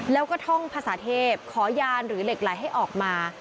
แล้วก็ท่องภาษาเทพขอยานหรือเหล็กไหลให้ออกมา